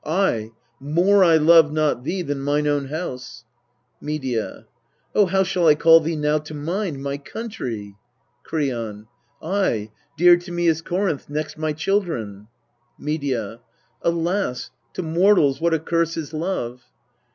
Ay : more I love not thee than mine own house. Medea. Oh, how I call thee now to mind, my country ! Kreon. Ay, dear to me is Corinth, next my children. Medea. Alas ! to mortals what a curse is love